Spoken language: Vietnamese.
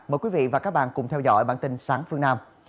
mời quý vị và các bạn cùng theo dõi bản tin sáng phương nam